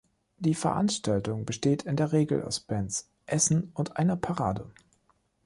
Die Veranstaltung besteht in der Regel aus Bands, Essen und einer Parade.